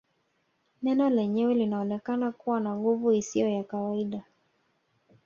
Neno lenyewe linaonekana kuwa na nguvu isiyo ya kawaida